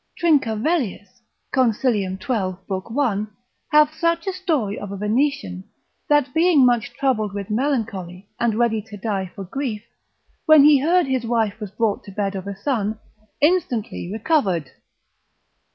Trincavellius, consil. 12. lib. 1. hath such a story of a Venetian, that being much troubled with melancholy, and ready to die for grief, when he heard his wife was brought to bed of a son, instantly recovered.